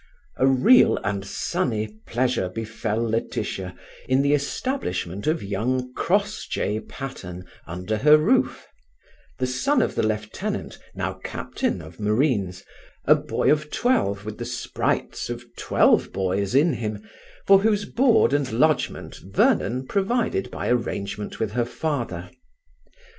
A real and sunny pleasure befell Laetitia in the establishment of young Crossjay Patterne under her roof; the son of the lieutenant, now captain, of Marines; a boy of twelve with the sprights of twelve boys in him, for whose board and lodgement Vernon provided by arrangement with her father.